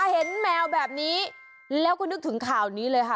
แมวแบบนี้แล้วก็นึกถึงข่าวนี้เลยค่ะ